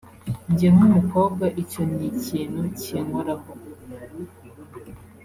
njye nk’umukobwa icyo ni ikintu kinkoraho